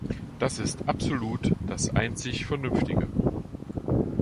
Das ist absolut das einzig Vernünftige!